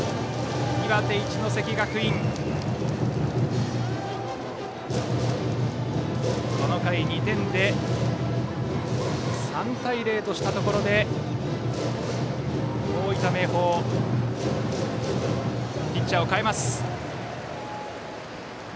岩手・一関学院、この回２点で３対０としたところで大分・明豊ピッチャーを代えます。